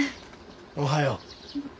おはよう。